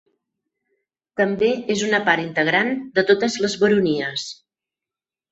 També és una part integrant de totes les baronies.